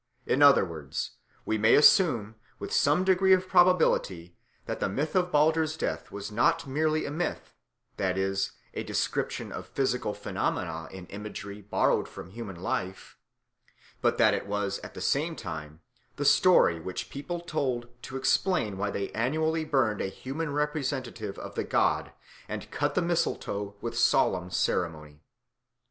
In other words, we may assume with some degree of probability that the myth of Balder's death was not merely a myth, that is, a description of physical phenomena in imagery borrowed from human life, but that it was at the same time the story which people told to explain why they annually burned a human representative of the god and cut the mistletoe with solemn ceremony.